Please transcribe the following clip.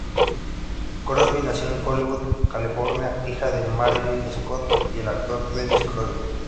Crosby nació en Hollywood, California, hija de Marilyn Scott y el actor Dennis Crosby.